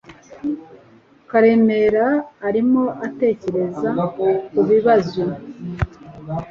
Karemera arimo atekereza kubibazo.